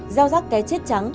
giao rắc ké chết trắng